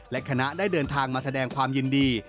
และคณะได้เดินทางมาแสดงความยินดี